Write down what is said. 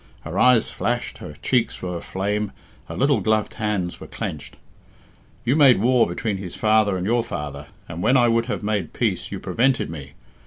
Her eyes flashed, her cheeks were aflame, her little gloved hands were clenched. "You made war between his father and your father, and when I would have made peace you prevented me.